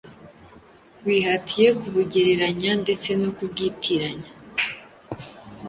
bihatiye kubugereranya ndetse no kubwitiranya